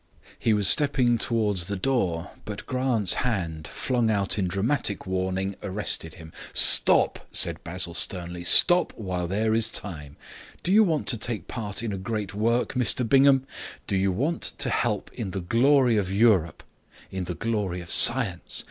He was stepping towards the door, but Grant's hand, flung out in dramatic warning, arrested him. "Stop!" said Basil sternly. "Stop while there is yet time. Do you want to take part in a great work, Mr Bingham? Do you want to help in the glory of Europe in the glory of science?